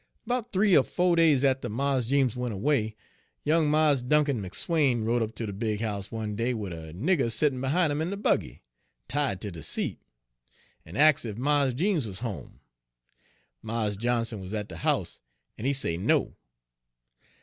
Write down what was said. "About th'ee er fo' days atter Mars Jeems went erway, young Mars Dunkin McSwayne rode up ter de big house one day wid a nigger settin' behin' 'im in de buggy, tied ter de seat, en ax' ef Mars Jeems wuz home. Mars Johnson wuz at de house, and he say no.